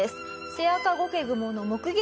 セアカゴケグモの目撃